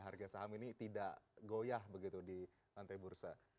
harga saham ini tidak goyah begitu di lantai bursa